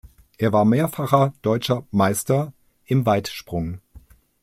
Er war mehrfacher deutscher Meister im Weitsprung.